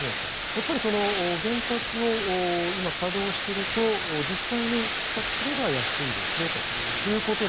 やっぱり原発を今、稼働していると実際に、比較すれば安いですよということに。